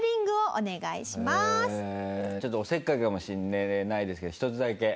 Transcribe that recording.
ちょっとおせっかいかもしれないですけど１つだけ。